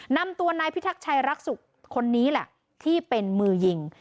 นำตัวนายพิทักษ์ชัยรักษุคนนี้แหละที่เป็นมือยิง